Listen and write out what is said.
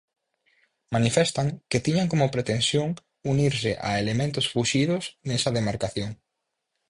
Manifestan que tiñan como pretensión unirse a elementos fuxidos nesa demarcación.